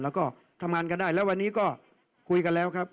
แล้วก็ทำงานกันได้แล้ววันนี้ก็คุยกันแล้วครับ